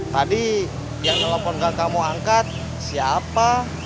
tadi yang telepon kakak mau angkat siapa